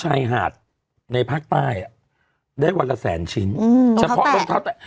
ชายหาดในภาคใต้อ่ะได้วันละแสนชิ้นอืมเฉพาะรองเท้าแตะ